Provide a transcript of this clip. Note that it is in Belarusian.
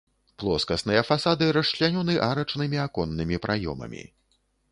Плоскасныя фасады расчлянёны арачнымі аконнымі праёмамі.